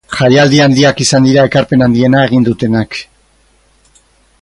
Jaialdi handiak izan dira ekarpen handiena egin dutenak.